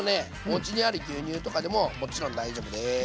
おうちにある牛乳とかでももちろん大丈夫です。